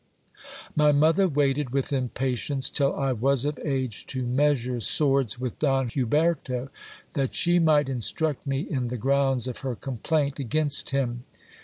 My mother waited with impatience till I was of age to measure swords with Don Huberto, that she might instruct me in the grounds of her complaint against him.